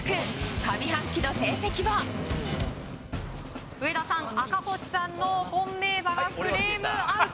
上半期の成績は上田さん、赤星さんの本命馬はフレームアウト。